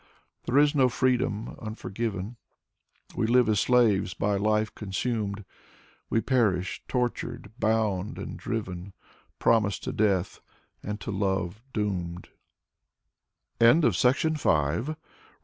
There is no freedom, unforgivcn, We live as slaves, by life consumed ; We perish, tortured, bound and driven, Promised to death, and to love — doomed.